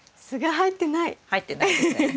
入ってないですね。